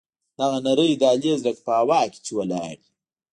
دغه نرى دهلېز لکه په هوا کښې چې ولاړ وي.